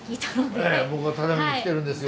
ええ僕は只見に来てるんですよ